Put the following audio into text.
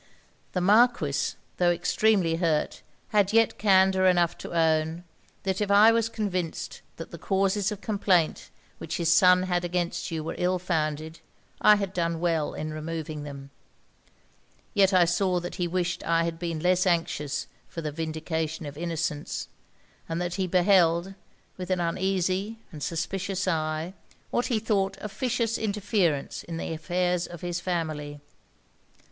'The Marquis, tho' extremely hurt, had yet candour enough to own, that if I was convinced that the causes of complaint which his son had against you were ill founded, I had done well in removing them. Yet I saw that he wished I had been less anxious for the vindication of innocence; and he beheld, with an uneasy and suspicious eye, what he thought officious interference in the affairs of his family.